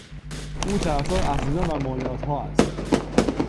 او طرفدار افزودن بر مالیاتها است.